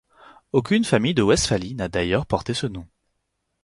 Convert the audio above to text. Aucune famille de Westphalie n’a d’ailleurs porté ce nom.